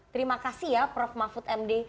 terima kasih ya prof mahfud md